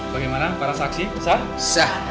bagaimana para saksi sah